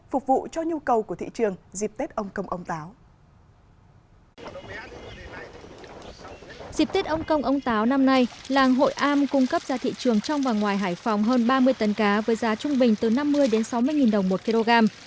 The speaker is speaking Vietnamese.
phục vụ cho nhu cầu của thị trường dịp tết ông công ông táo